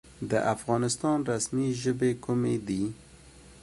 د افغانستان رسمي ژبې کومې دي؟